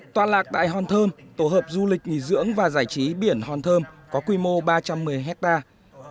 toàn lạc tại hòn thơm tổ hợp du lịch nghỉ dưỡng và giải trí biển hòn thơm có quy mô ba trăm một mươi hectare